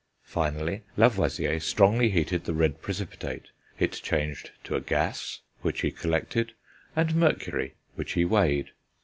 Finally, Lavoisier strongly heated the red precipitate; it changed to a gas, which he collected, and mercury, which he weighed.